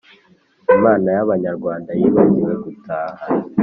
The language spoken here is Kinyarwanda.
Imana y’abanyarwanda Yibagiwe gutaha